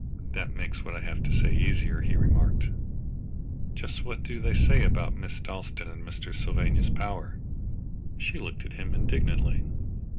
"That makes what I have to say easier," he remarked. "Just what do they say about Miss Dalstan and Mr. Sylvanus Power?" She looked at him indignantly.